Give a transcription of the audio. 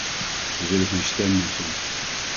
We zullen zijn stem missen.